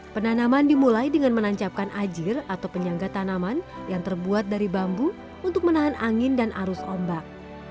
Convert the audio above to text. penanaman dimulai dengan menancapkan ajir atau penyangga tanaman yang terbuat dari bambu untuk menahan angin dan arus ombak